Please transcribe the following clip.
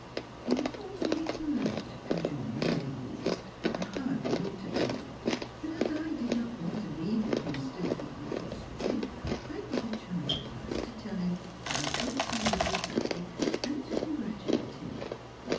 He was awfully polite to Jean and Héloise, and hardly looked at me, but as I did not want to leave with him still feeling cross with me, I got the chance at last to tell him I hoped he would be happy, and to congratulate him.